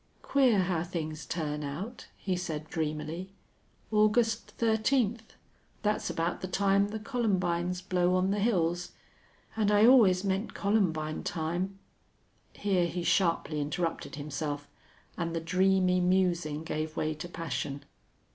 "Queer how things turn out," he said, dreamily. "August thirteenth!... That's about the time the columbines blow on the hills.... And I always meant columbine time " Here he sharply interrupted himself, and the dreamy musing gave way to passion.